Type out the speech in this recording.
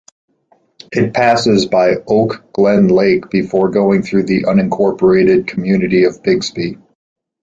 It passes by Oak Glen Lake before going through the unincorporated community of Bixby.